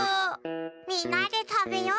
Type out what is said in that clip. みんなでたべよう。